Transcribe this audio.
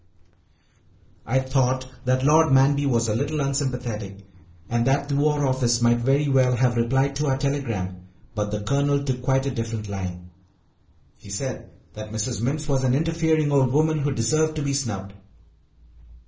I thought that Lord Manby was a little unsympathetic, and that the War Office might very well have replied to our telegram, but the Colonel took quite a different line. He said that Mrs. Mimms was an interfering old woman who deserved to be snubbed.